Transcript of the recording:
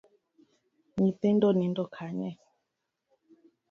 Nyithindo nindo kanye?